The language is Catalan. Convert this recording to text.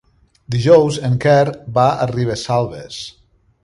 Dijous en Quer va a Ribesalbes.